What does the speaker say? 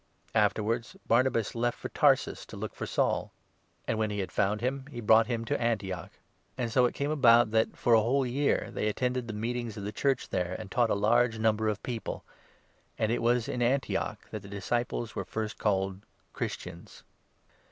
Afterwards Barnabas left for Tarsus to look 25 for Saul ; and, when he had found him, he brought him to 26 iSWisd. of Sol. 12. 10. 236 THE ACTS, 11 12. Antioch. And so it came about that, for a whole year, they attended the meetings of the Church there, and taught a large number of people ; and it was in Antioch that the disciples were first called ' Christians.'